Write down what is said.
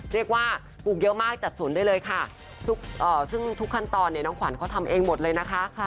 เรียกว่าปลูกเยอะมากจัดศูนย์ได้เลยค่ะซึ่งทุกขั้นตอนเนี่ยน้องขวัญเขาทำเองหมดเลยนะคะ